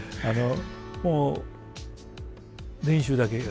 もう練習だけ。